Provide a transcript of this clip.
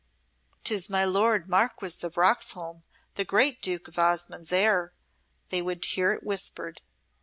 "'Tis my lord Marquess of Roxholm, the great Duke of Osmonde's heir," they would hear it whispered.